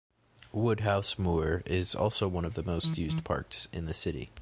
Woodhouse Moor is also one of the most used parks in the city.